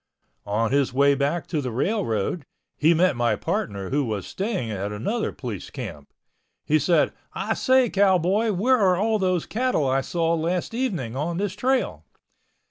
On his way back to the railroad, he met my partner who was staying at another police camp. He said, "I say, Cowboy, where are all those cattle I saw last evening on this trail?"